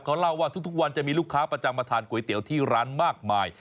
เขาเล่าว่าทุกวันจะมีลูกค้าประจำมาทานก๋วยเตี๋ยวที่ร้านมากมาย